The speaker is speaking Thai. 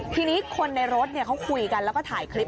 ทีนี้คนในรถเขาคุยกันแล้วก็ถ่ายคลิป